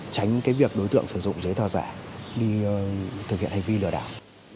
tránh cái việc đối tượng sử dụng giấy tờ giả đi thực hiện hành vi lừa đảo